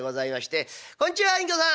「こんちは隠居さん！